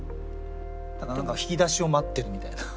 引き出しを待ってるみたいな。